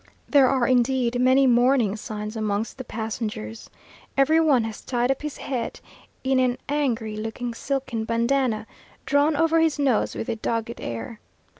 There are indeed many mourning signs amongst the passengers. Every one has tied up his head in an angry looking silken bandana, drawn over his nose with a dogged air.